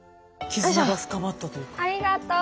ありがとう。